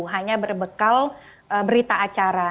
hanya berbekal berita acara